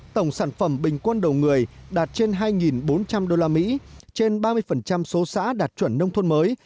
tổng sản phẩm bình quân đầu người đạt trên hai bốn trăm linh usd trên ba mươi số xã đạt chuẩn nông thôn mới